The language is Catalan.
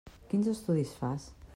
Quins estudis fas?